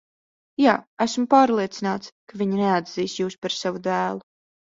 Jā, esmu pārliecināts, ka viņi neatzīs jūs par savu dēlu.